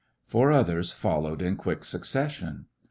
Four others followed in quick succession.